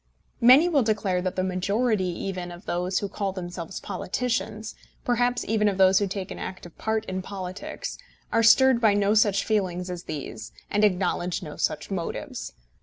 Many will declare that the majority even of those who call themselves politicians, perhaps even of those who take an active part in politics, are stirred by no such feelings as these, and acknowledge no such motives.